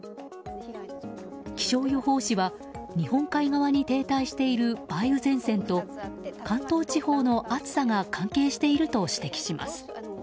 気象予報士は、日本海側に停滞している梅雨前線と関東地方の暑さが関係していると指摘します。